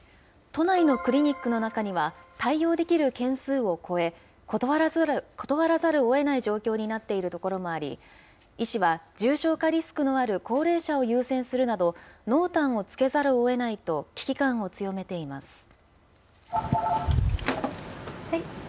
都内のクリニックの中には、対応できる件数を超え、断らざるをえない状況になっている所もあり、医師は、重症化リスクのある高齢者を優先するなど、濃淡をつけざるをえないと、危機感を強めています。